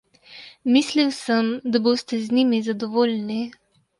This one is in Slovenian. Mislil sem, da boste z njimi zadovoljni.